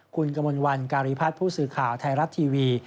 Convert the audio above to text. คุณกมลวันการีพัฒน์ผู้สื่อข่าวไทยรัฐทีวี